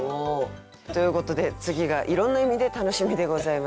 ということで次がいろんな意味で楽しみでございます。